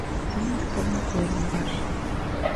Тымык-тымык йырым-ваш.